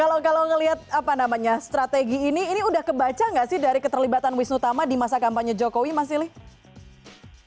kalau ngelihat apa namanya strategi ini ini udah kebaca nggak sih dari keterlibatan wisnu tama di masa kampanye jokowi mas silih